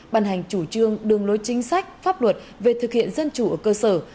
bàn hành chủ trương đường lối chính sách pháp luật về thực hiện dân chủ ở cơ sở